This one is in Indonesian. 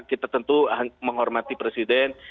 kita tentu menghormati presiden